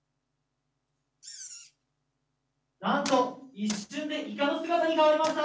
なんと一瞬でイカの姿に変わりました！